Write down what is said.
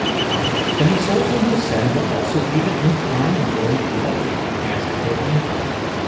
"Can the souls on Cassandra also leave it in time and roam at will?" asked Cortlandt.